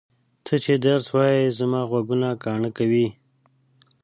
ته چې درس وایې زما غوږونه کاڼه کوې!